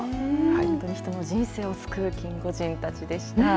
本当に、人の人生を救うキンゴジンたちでした。